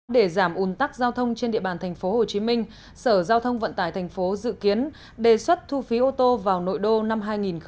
để giảm ủn tắc giao thông trên địa bàn tp hcm sở giao thông vận tải tp hcm dự kiến đề xuất thu phí ô tô vào nội đô năm hai nghìn hai mươi